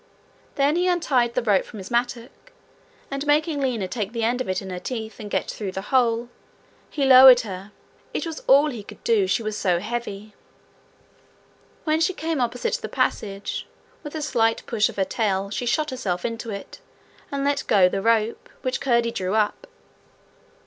There he undid the rope from his mattock, and making Lina take the end of it in her teeth, and get through the hole, he lowered her it was all he could do, she was so heavy. When she came opposite the passage, with a slight push of her tail she shot herself into it, and let go the rope, which Curdie drew up.